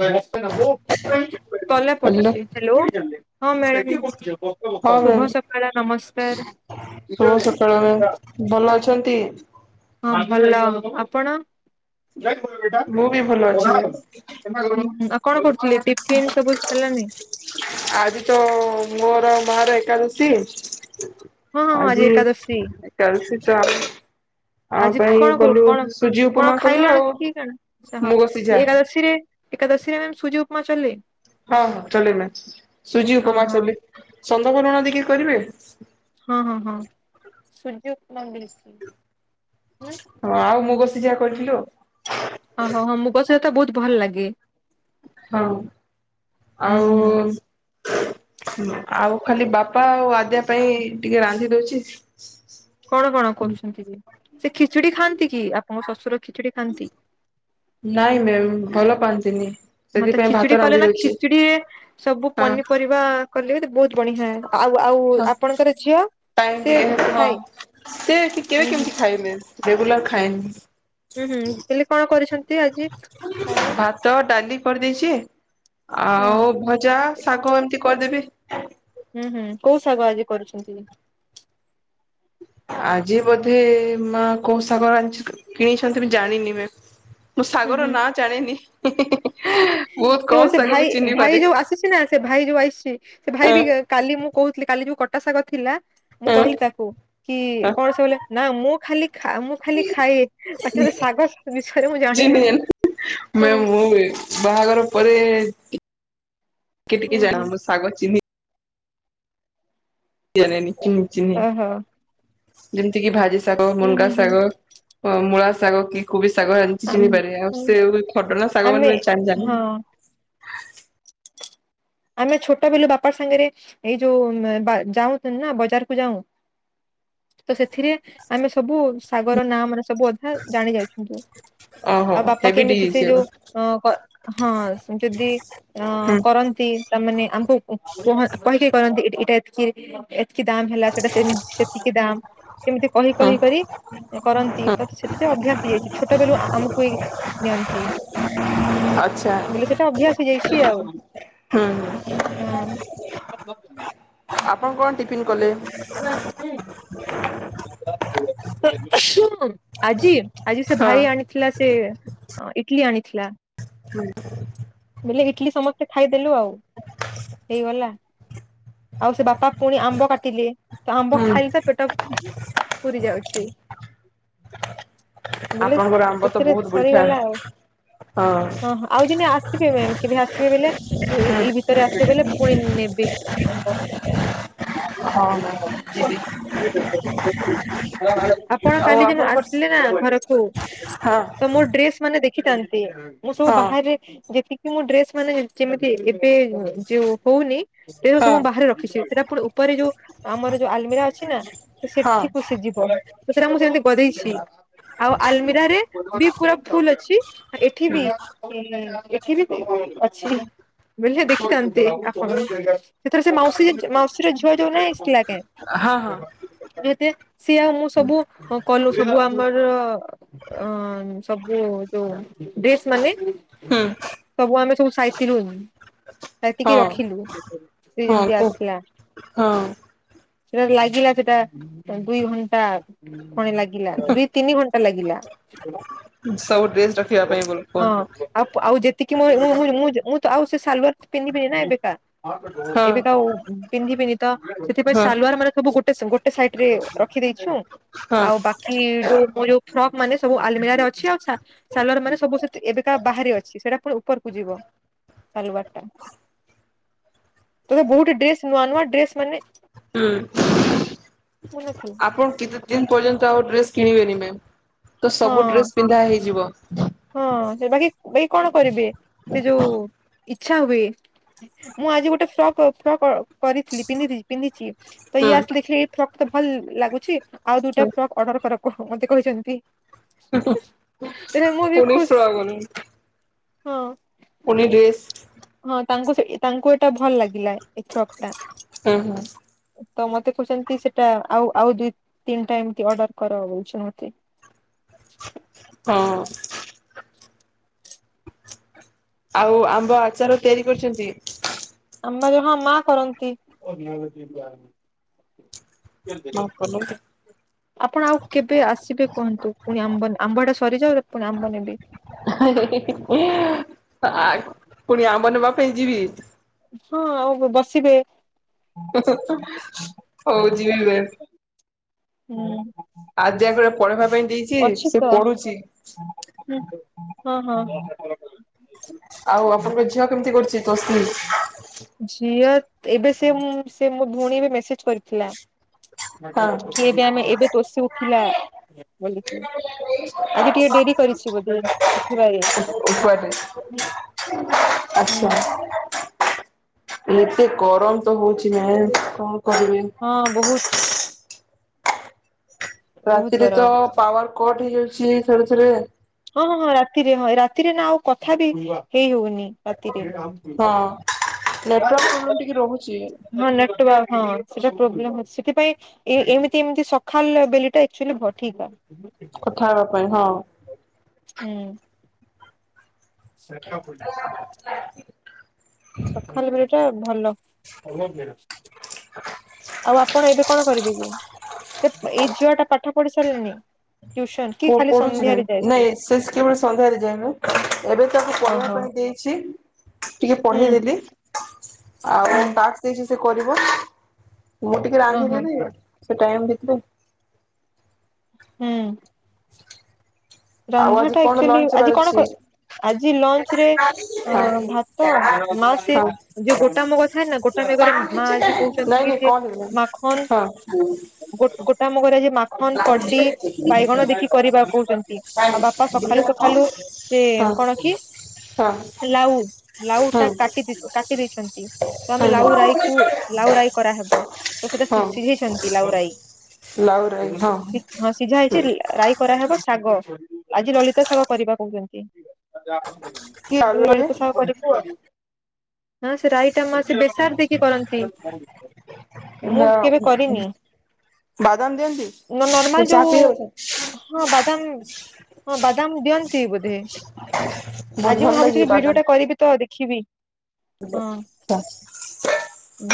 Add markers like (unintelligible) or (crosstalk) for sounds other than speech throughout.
କଲା ହ୍ୟାଲୋ ପଡ଼ିଛି ହାଲୋ ହଁ ମ୍ୟାମ୍ ହଁ ଶୁଭ ମ୍ୟାମ୍ ସକାଳ ନମସ୍କାର। ଶୁଭ ସକାଳ ମ୍ୟାମ୍ ଭଲ ଅଛନ୍ତି। ହଁ ଭଲ ଆପଣ? ମୁଁ ବି ଭଲ ଅଛି ମ୍ୟାମ୍ ଆପ କଣ କରୁଥିଲେ ଟିଫିନ ସବୁ ସରିଲାନି? ମା ର ଏକାଦଶୀ ହଁ ହଁ ହଁ ଆଜି ଏକାଦଶୀ ଏକାଦଶୀ ତ ଆମ ଆମ ଆଜି ପାଇଁ କଣ କ କଲୁ କଣ ସୁଜି କଣ ଉପମା କଲୁ ଖାଇଲଣି ଆଉ ପିଇଲଣି ଆଚ୍ଛା ହଁ ମୁଗ ସିଝା। ଏକାଦଶୀରେ ଏକାଦଶୀରେ ମ୍ୟାମ୍ ସୁଜି ଉପମା ଚଲେ ହଁ ହଁ ଚଲେଇମେ ସୁଜି ଉପମା ଓହୋ ଚଲେ ସନ୍ଦ କରୁଣ ଟିକେ କରିବେ? ହଁ ହଁ ହଁ ସୁଜି ଉପମା କରିବି । ହଁ ଆଉ ମୁଁ କହୁ ଯାହା କରିଥିଲୁ ଆଉ ଓହୋ ହଁ ମୁଗ ସିଝା ଟା ବହୁତ ଭଲ ଲାଗେ। ହଁ ଉୁଁ ଆଉ ହୁଁ ଆଉ ଖାଲି ବାପା ଆଉ ଆଦ୍ୟା ପାଇଁ ଟିକେ ରାନ୍ଧି ଦଉଛି କଣ କଣ କରୁଛନ୍ତି ଯେ ସେ ଖିଚୁଡ଼ି ଖାଆନ୍ତି? କି ଆପଣଙ୍କ ଶ୍ୱଶୁର ଖିଚୁଡି ଖାଆନ୍ତି? ନାଇଁ ମ୍ୟାମ୍ ଭଲ ପାଆନ୍ତିନି । ହଁ ତ ଖିଚୁଡି କଲେ ନା ଖିଚୁଡି ସବୁ ହଁ ପନିପରିବା କଲେ ବି ବହୁତ ବଢିଆ ଆଉ ଆଉ ହଁ ଆପଣଙ୍କର ଝିଅ ଟାଇମ୍ ବି ସିଏ ହଁ ଖାଏ ସେ କେବେ ହୁଁ କେମିତି ହୁଁ। ଖାଏ ମ୍ୟାମ୍ ରେଗୁଲାର ଖାଇନି। ହୁଁ ହୁଁ ହେଲି କଣ କରୁଛନ୍ତି? ଭାତ ଡାଲି କରିଦେଇଛି ହଁ। ଆଉ ଭଜା ଶାଗ ଏମିତି କରିଦେବି। ହୁଁ ହୁଁ କୋଉ ଶାଗ ଆଜି କରୁଛନ୍ତି? ଆଜି ବୋଧେ ମା କୋଉ ସାଗ ଆଣି କିଣିଛନ୍ତି ବି ଜାଣିନି। ମୁଁ ଶାଗର ହୁଁ ନାଁ ଜାଣିନି ବହୁତ ହୁଁ କମ୍ ସେ ଶାଗକୁ ଭାଇ ଚିହ୍ନି ପାରେ ଭାଇ ଯୋଉ ଆସିଛି ନା ସେ ଭାଇ ଯୋଉ ଆସିଛି ସେ ଭାଇ ହଁ ବି କାଲି ମୁଁ କହୁଥିଲି କାଲି ଯୋଉ କ ପଟଶାଗ ଥିଲା। ମୁଁ ହଁ କହିଲି ତାକୁ କି ହଁ କଣ ସବ ନା ମୁଁ ଖାଲି ମୁଁ ଖାଲି ଖାଏ ବା ମେ ଶାଗ ବିଷୟରେ ମୁ ଚହ ମୁଁ ବାହାଘର ପରେ (inaudible) ହୁଁ ଟିକେ ହୁଁ ଜାଣ ଶାଗ ଚିହିଁ ଜାଣିନି କିି ଚିହି ଓହୋ ଯେମିତି କିି ଭାଜି ଶାଗ ହୁଁ ହୁଁ ମୁଗା ହୁଁ। ଶାଗ ମୂଳା ଶାଗ ଶାଗ କି କୋ ଶାଗ ଏମିତି ଆମେ ଚିହିଁ ପାରିବେ ହୁଁ, ସେ ଆମେ ସଜନା ହଁ ଆମେ ଛୋଟ ବିଲୁ ବାପା ସାଙ୍ଗରେ ଏଇ ଯୋଉ ଯାଉ ନା ବଜାରକୁ ଯାଉ ତ ସେଥିରେ ଆମେ ସବୁ ଶାଗ ର ନାଁ ମାନେ ସବୁ ଅଧା ଜାଣି ଯାଉଛନ୍ତି ଓହୋ ଆଉ ବାପା ହେବି କେମିତି ଡିସ୍ ସେ ଯୋଉ ଏଗୁଡା ହଁ ଯଦି ଅ ହୁଁ କରନ୍ତି ତାମାନେେ ଆମକୁ କହ କହିକି କର ଏଟା ଏକି ତିକି ଦାମ ହେଲା ସେଟା ସେମତି ସେତିକି ଦାମ ସେମିତି କହି ହୁଁ କହି କରି କରନ୍ତି ହୁଁ ତ ସେଥିରେ ଅଭ୍ୟାସ ହେଇଯାଇଛି ଛୋଟ ବଳୁ ଆମକୁ ବି ନିଅନ୍ତି ଆଚ୍ଛା ହେଲେ ସେଟା ଅଭ୍ୟାସ ହେଇଯାଇଛି ଆଉ। ହଁ (inaudible) କଣ କଣ ଟିଫନ୍ କଲେ? ଶୁ ଆଜି ଆଜି ସେ ହଁ ଭାଇ ଆଣିଥିଲା ସେ ଅ ଇଟଲି ଆଣିଥିଲା। ହୁଁ ବୋଇଲେ ଇଟଲିି ସମସ୍ତେ ଖାଇଦେଲୁ ଆଉ ହେଇଗଲା ଆଉ ସେ ବାପା ପୁଣି ଆମ୍ବ କାଟିଲେ ତ ଆମ୍ବ ହୁଁ ଖାଇଲି ତ ପେଟ ପୁରି ଯାଉଛି। ସେ ବୋଇଲେ ଆପଣଙ୍କର ଆମ୍ବ ତ ସେଥିରେ ବହୁତ ମିଠା ସରିଗଲା ହଁ ଆଉ ଆଉ ଆସିବେ କେବେ ଆସିବେ ବୋଇଲେ ହୁଁ ଇ ଭିତରେ ଆସିବେ ବଲେ ପୁଣି ନେବେ ହଁ ମ୍ୟାମ୍ ଯିବି ଆପଣ ଆଉ କାଲି ଯେ ଆପଣଙ୍କର ଆସିଲେ ନା ଘର ହ ହଁ ତ ମୋ ଡ୍ରେସ୍ ମାନେ ଦେଖ ଚିତନ୍ ମୁଁ ସବୁ (inaudible) ହଁ ବାହରେ ଯେତିକି କି ମୁଁ ଡ୍ରେସମାନେମାନେ ଯେମିତି ଏବେ ଯୋଉ ହଉନି ସେ ହଁ ସବୁ ବାହାରେ ରଖିଛି ସେଟା ପୁଣି ଉପରେ ଯୋଉ ଆମର ଯୋଉ ଆଲମିରା ଅଛି ନା ତ ହଁ ସେଠି କୁସିିଯିବ ତ ସେଟା ମୁଁ ସେମିତି ଗଦେଇଛି ଛି ଆଉ ଆଲମିରାରେ ବି ପୁରା ଫୁଲ ଅଛି। ଏଠି ବି ଇ ଦେିବି (unintelligible) ଅଛି ବୁଝିଲ (inaudible) ଦେଖିଥାନ୍ତେ ଆପଣ ସେଥର ସେ ମାଉସୀ ମାଉସୀର ଝିଅ ଯୋଉ ନାହିଁ ଆସିଥିଲା ହଁ ହଁ ହଁ ଯେତେ (inaudible) ସିଏ ଆଉ ମୁଁ ସବୁ କନୁ (unintelligible) ସବୁ ଆମର ଅ ଆଁ ସବୁ ଯୋଉ ଡ୍ରେସମାନେ ହଁ ହୁଁ ସବୁ ଆମେ ସବୁ ସାଇତି ରୁମ୍। ସାଇତିକି ହଁ ରଖିଲୁ ସେ ହଁ ଯେମିତି କୁହ ଆସିଲା। ହଁ ସେଟା ଲାଗିଲା ସେଟା ଦୁଇଘଣ୍ଟା। ପଣି ଲାଗିଲା (unintelligible) କଣଟା ଲାଗିଲା। ସବୁ ଡ୍ରେସ ରଖିବା ପାଇଁ ବୋଲି ହଁ କୁହନ୍ତୁ ଆଉ ଆଉ ଯେତିକି ମୁଁ ମୁଁ ମୁଁ ମୁଁ ମୁଁ ତ ଆଉ ସେ ସାଲୱାର ପିନ୍ଧିବିନି ନା ଏବେକା ହଁ ଏବେ ଆଉ ପିନ୍ଧିବିନି ତ ସେଥିପାଇଁ ହଁ ସାଲୁଆରମାନେ ସବୁ ଗୋଟେ ଗୋ ଗୋଟେ ସାଇଟରେ ରଖିଦେଇଛୁ ହଁ ଆଉ ବାକି ଯୋଉ ମୋ ଯୋଉ ଫ୍ରକମାନେ ସବୁ ଆଲମରାରେ ଅଛି ଆଉ ସାଲୁଆରମାନେ ସବୁ ସେ ଏବେକା ବାହାରେ ଅଛି ସେଟା ପୁଣି ଉପରକୁ ଯିବ ସାଲୁଆରଟା ତୋତେ (unintelligible) ବହୁତ ହି ଡ୍ରେସ ନୂଆନୂଆ ଡ୍ରେସମାନେ ହୁଁ ଆପଣ କେତେ ଦିନ ପର୍ଯ୍ୟନ୍ତ ତ ଡ୍ରେସ କିଣିବେନି ମେମ ତ ସବୁ ହଁ ଡ୍ରେସ ପିନ୍ଧାହେଇଯିବ। ହଁ ହେବାକି ଭାଇ କଣ କରିବେ ସେ ଯୋଉ ଇଚ୍ଛା ହୁଏ ମୁଁ ଆଜି ଗୋଟେ ଫ୍ରକ୍ ଫ୍ରକ୍ କରିଥିଲି ପିନ୍ଧିବି ପିନ୍ଧିଛି। ହୁଁ ତଇ ଆସଲେଖି ଫ ତେ ଭଲ ଲାଗୁଛି। ଆଉ ଦୁଟା ଫ୍ରକ୍ ଅର୍ଡର କର। କହ ମତେ କହିଛନ୍ତି। ତେବେ ମୁଁ ବି ଉଣେଇଶ ଖୁସି (unintelligible) ହଁ। ପୁଣି ଡ୍ରେସ ହଁ ତାଙ୍କୁ ସେ ତାଙ୍କୁ ଏଇଟା ଭଲ ଲାଗିଲା ଏ ଛକ ଟା। ହୁଁ। ତ ମତେ କହୁଛନ୍ତି ସେଟା ଆଉ ଆଉ ଦୁ ତିନିଟା ଏମତି ଅର୍ଡର କରହୁଛ ମତେ। ହଁ। ଆଉ ଆମ୍ବ ଆଚାର ତିଆରି କରିୁଛନ୍ତି? ଆମ ଯ ହ ମା କରନ୍ତି। (unintelligible) ଆପଣ ଆଉ କେବେ ଆସିବେ କୁହନ୍ତୁ ପୁଣି ଆମ୍ବ ଆମ୍ବ ଟା ସରିଯାଉ ପୁଣି ଆମ୍ବ ନେବି। ଆ କୁଣିଆ ଆମ୍ବ ନବ। (unintelligible) ହଁ ଆଉ ବସିବେ। ହଉ ଯିବିି। ହୁଁ। ଆ ଯଗରେ ପଢେଇବା ପାଇଁ ଦେଇଛି ଅଛି ସେ ତ ପଢୁଛି। ହୁଁ ହଁ ହଁ। ଆଉ ଆପଣଙ୍କ ଝିଅ କେମିତି କରୁଛି କୋଷିଶ? ଝିଅ ଏବେ ସେ ସେ ମୋ ଭଉଣୀ ଏବେ ମେସେଜ କରିଥିଲା। କିଏବେ ଆମେ ଏବେ ତୋଷ ଉଠିଲା ବୋିକି ଆଜି ହଁ ଟିକେ ଡେରି କରିଛି ବୋଧେ ଉଠିବାରେ? ହୁଁ ଆଛା। ଏତେ ଗରମ ତ ହଉଛି ମ ହଁ ବହୁତ। ବହୁତ ରାତିରେ ତ ଗରମ ପାୱାର କଟ ହେଇଯାଉଛି। ଥରେ ଥରେ ହଁ ହଁ ହଁ ରାତିରେ ହଁ ରାତିରେ ନା ଆଉ କଥା ବି ହେଇ ହଉନି ରାତିରେ (unintelligible) ହଁ। ନେଟୱାର୍କ ପ୍ରୋବ୍ଲେମ୍ ଟିକେ ରହୁଛି। ହଁ ନେଟୱାର୍କ ହଁ ସେଟା ପ୍ରୋବ୍ଲେମ ଅଛି ସେଥିପାଇଁ ଏମିତି ଏମିତି ସକାଳ ବେଲି ଟାଚୁଆଲି ଭଠିକା। କଥା ହେବା ପାଇଁ ହଁ। ହୁଁ। (unintelligible) ସକାଳ ବେଳେଟା ଆଉ। ଭଲ (unintelligible) ଆଉ ଆପଣ ଏବେ କଣ କରିବେ ଯେ ସେ ଏଇ ଝିଅ ଟା ପାଠ ପଢି ସାରିଲାଣି। ଟ୍ୟୁସନ କି ଖାଲି ପ-ପଢୁଛି ନା ସନ୍ଧ୍ୟାରେ ଯାଏ ନାଇଁ ସେ କେବେଳ ସନ୍ଧ୍ୟାରେ ଯାଇନି ଏବେ ତାକୁ ପଢେଇିବା ଓହୋ ପାଇଁ ଦେଇଛି। ଟିକେ ହୁଁ ପଢେଇଦେଲି। ଆଉ ହୁଁ (inaudible) ଦେଇଚି ସେ କରିବ। ମୁଁ ଟିକେ ରାନ୍ଧିଦେବି ଓହୋ ସେ ଟାଇମ୍ ଭି (unintelligible) ହୁଁ। ଆଉ ରନ୍ଧା ଆଜି ଟା କଣ ଆଚୁଆଲି ଲଞ୍ଚ ହବାର ଆଜି କଣ ଅଛି? କ ଆଜି ଲଞ୍ଚ ରେ ଭାତ ମା ହଁ ସେ ହଁ। ଯୋଉ ଗୋଟା ମୁଗ ଥାଏ ନା ଗୋଟା ମେଗରେ ମା ଆଜି କହୁଚନ୍ତି କି ସେ ମାଖନ୍ ଗୋ-ଗୋ କାମ କରାଯି ମାଖନ କଡି ବାଇଗଣ ଦେଖି କରିବାକୁ କହୁଚନ୍ତି। ଆଉ ବାପା ସଖାଳୁ ସଖାଳୁ ସେ କଣ କି ଲାଉ ଲାଉ ଟା କାଟି କାଟି ଦେଇଛନ୍ତି। ତ ଆମେ ଲାଉ ରାଇ କୁ ଲାଉ ରାଇ କରାହବ। ତ ସେଟା ହଁ ସି-ସିଝେଇଛନ୍ତି ଲାଉ ରାଇ ଲାଉରାଇ ହଁ ହଁ ସିଝା ହେଇଚି ରାଇ କରାହେବ ଶାଗ। ଆଜି ଲଳିତା ଶାଗ କରିବା କହୁଚନ୍ତି। ଆଳୁରେ ଲଳିତା ଶାଗ କରିବୁ ଆଉ ହଁ ସେ ରାଇ (unintelligible) ବେସର ଦେଇକି କରନ୍ତି ମୁଁ ନା କେବେ କରିନି ବାଦାମ ଦିଅନ୍ତି? ନର୍ମାଲ ଚା ଯୋଉ ପିଇବ? ହଁ ବାଦାମ ହଁ ବଦାମ ଦିଅନ ତି ବୋଧେ। ବହୁତ ଆଜି ଭଲ ମୁଁ ଭାବୁଛି ଲାଗେ କି ବାଦାମ ଭିଡିଓ ଟା କରିବି ତ ଏବେ। ଖିବି।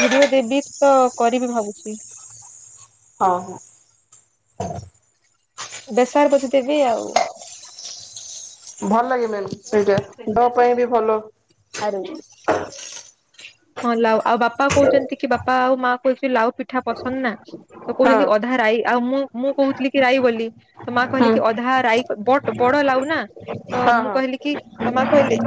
ଭିଡିଓ ଦେବି ତ କରିବି ଭାବୁଛି। ହଁ ହଁ। ବେସାର ବୋଧେ ଦେବି ଆଉ ଭଲ (unintelligible) ସେଇଟା ଡ ପାଇଁ ବି ଭଲ। ଆରୁ। ହଁ ଲାଉ ଆଉ ବାପା କହୁଚନ୍ତି କି ବାପା ଆଉ ମା କହୁଚି ଲାଉ ପିଠା ପସନ୍ଦ ନା। ତ କହୁଚନ୍ତି ଅଧା ରାଇ ଆଉ ମୁଁ ମୁଁ କହୁଥିଲି କି ରାଇ ବୋଲି। ତ ମା କହିଲେ ହୁଁ କି ଅଧା ରାଇ। ବ ବଟ୍ ବଡ ଲାଉ ନା। ତ ହଁ ମୁଁ ହଁ କହିଲି କି ତମା କହିଲେ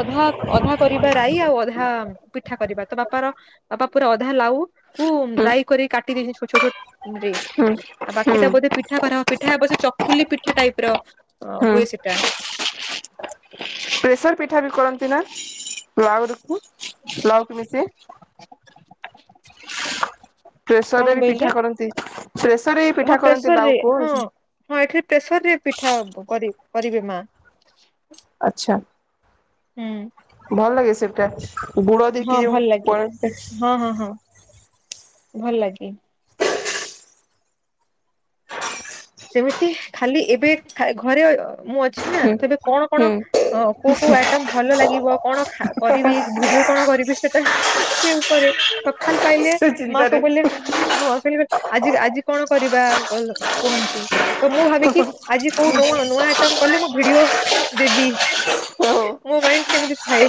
ଅଧା ଅଧା କରିବା ରାଇ ଆଉ ଅଧା ପିଠା କରିବା ତ ବାପାର ବାପା ପୁରା ଅଧା ଲାଉ କ ହୁଁ ରାଇ କରି କାଟି ଦେଇ ଛୋ ଛୋଟ ହୁଁ ହୁଁ ସେଟା ବୋଧେ ପିଠା କରା ହବ ପିଠାବ ସେ ଚକୁଲି ପିଠା ଟାଇପ ର ଅ ହୁଁ ହୁଏ ସେଟା ପ୍ରେସର ପିଠା ବି କରନ୍ତି ନା ଆହୁରି ଲଉ କି ମିି ସେ (inaudible) ଫ୍ରେସର କଣ ରେ ବି କହିଲେ ପିଠା କରନ୍ତି ଫ୍ରେସର ରେ ବି ପିଠା କରନ୍ତି ଲାଉ କୁ ପ୍ରେସରରେ ପିଠା କରିବେ ମା ଆଛା ହୁଁ ଭଲ ଲାଗେ ସେଟା ବୁଡ଼ା ଦେଇ ହଁ କି ଯେ ଭଲ ଲାଗେ ପ ହଁ ହଁ ହଁ ଭଲ ଲାଗେ ସେମିତି ଖାଲି ଏବେ ଘରେ ମୁଁ ଅ ଅ ନା ତବେ କଣ କଣ ହୁଁ କୋଉ କୋଉ ଆଇଟମ ଭଲ ଲାଗିବ କଣ କରିବି ଭିଡିଓ କଣ କରିବି ସେଟା ସେ ଉପରେ ଖାନ ପାଇଲେ ସେ ମା ଚିନ୍ତାରେ ସବୁ ବ ହଁ ଶୁ ଆଜି ଆଜି କଣ? କରିବାଲ କୁହନ୍ତି। ତ ମୁଁ ଭାବିକି ଆଜି କୋଉ ନୂଆ ନୂଆ ଆଟ କଲେ ମୁଁ ଭିଡିଓ ଦେବି ଓହୋ ମୋ ମାଇଣ୍ଡ ସେମତି ହାଇ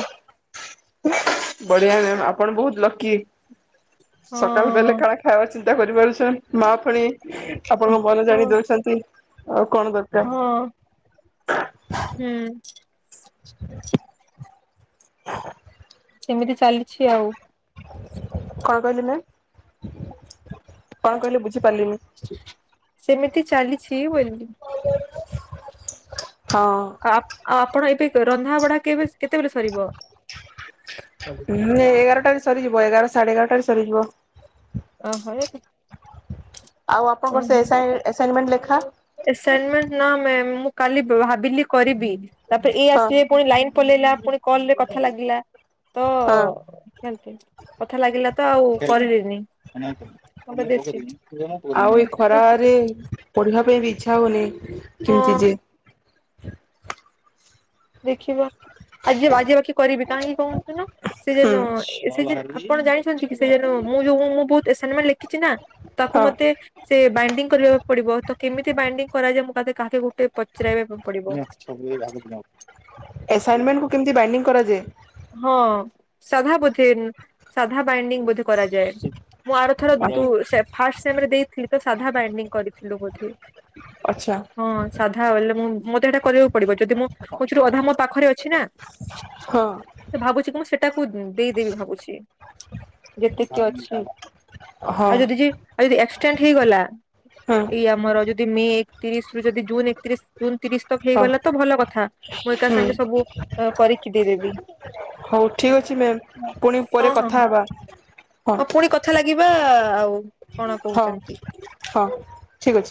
ବଢିଆ ନାଇ ଆପଣ ବହୁତ ଲକି ସକାଳ ବେଲେ ହଁ। କାଣା ଖାଇବା ଅ ଚିନ୍ତା କରିପାରୁଛ ମା ପଣି ଆପଣଙ୍କ ମନ ହଁ ଜାଣି ଦଉଛନ୍ତି। ଆଉ କଣ ଦରକାର ହଁ ହୁଁ ହ କେମିତି ଚାଲିଛି ଆଉ କଣ କହିଲି ନା କଣ କହିଲି ବୁଝିପାରିଲିନି ସେମିତି ଚାଲି ଛି ବଲିଲି ହଁ। ଆପ ଆ ଆପଣ ଏବେ ରନ୍ଧା ବଢା କେବେ କେତେବେଳେ ସରିବ ହୁଁ ଏଗାରଟାରେ ସରିଯିବ ଏଗାର ସାଢେ ଏଗାରଟାରେ ସରିଯିବ ଓ ହ ଏ ଆଉ ଆପଣଙ୍କର ସେ ଏସା ଇ ଆଶାଇନମେଣ୍ଟ ଲେଖା ଆସାଇନମେଣ୍ଟ ନା ମାମ ମୁ କାଲି ବ୍ୟହାର ବିଲି କରିବି ତାପରେ ଏଇ ହଁ ଆସିବେ ପୁଣି ଲାଇନ ପଲେଇଲା ପୁଣି କଲରେ କଥା ଲାଗିଲା ତ ହଁ। ଲ ତ ଆଉ କରିବିନି (inaudible) କିବା ପାଇଁ ବି ଇଚ୍ଛା ହଉନି କେମିତି ଯେ ହ ଦେଖିବା। ଆଜି ଆଜି ବାକି କରିବି କାହିଁକି କହଛୁନ ସେ ହୁଁ ଯେନ ସେ ଯେ ଆପଣ ଜାଣିଛନ୍ତି କି ସେ ଜ ମୁଁ ଯୋଉ ମୁଁ ବହୁତ ଆସାଇନମେଣ୍ଟ ଲେଖିଛି ନା ତାକୁ ହଁ। ମତେ ସେ ବା କରିବାକୁ ପଡିବ ତ କେମିତି ବାଇଣ୍ଡିଙ୍ଗ କରାଯାଏ ମୁଁ ଦେ କାହା ଗୋଟେ ପଚରାଇବାକୁ ପଡିବ। ଆସାଇନମେଣ୍ଟକୁ କେମିତି ବାଇଣ୍ଡିଂ କରାଯାଏ? ହଁ ସାଧା ବୋଧେ ସାଧା ବାଇଡିଂ ବୋଧେ କରାଯାଏ। ମୁଁ ଆରଥର ସେ ଫାଷ୍ଟ ସେମରେ ଦେଇଥିଲି ତ ସାଧା ବାଇଣ୍ଡିଙ୍ଗ କରିଥିଲୁ ବୋଧେ। ଆଚ୍ଛା ହଁ ସାଧା ବୋଲେ ମୁ ମତେ ଏଟା କରିବାକୁ ପଡିବ ଯଦି ମୁଁ କୋଚ ରୁ ଅଧା ମୋ ପାଖରେ ଅଛି ନା ହଁ ସେ ଭାବୁଛି ମୁଁ ସେଠା ତାକୁ ଦେଇଦେବି ଭାବୁଛି ଯେତିକି ଅଛି। ହଁ। ଆଉ ଯଦି ଯ ଆଉ ଯଦି ଷ୍ଟାଣ୍ଡ ହେଇଗଲା ହୁଁ। ଏଇ ଆମର ଯ ଯି ଏକତିରିଶ ରୁ ଯଦି ଜୁନ ଏକତିରିଶ ଜ ତିରିଶ ତକ ହଁ ହେଇଗଲା ତ ଭଲ କଥା। ମୁଁ ଏକା ହୁଁ ସାଙ୍ଗେ ସବୁ କ ବିକିତି ଦେବି। ହଉ ଠିକ ଅଛି ମ୍ୟାମ୍ ପୁଣି ପରେ ହଁ ହଁ କଥା ହଁ ହେବା। ହଁ ଆ ପୁଣି କଥା ଲାଗିବା ଆଉ କଣ ହଁ କହୁଛନ୍ତି। ହଁ ଠିକ ଅଛି।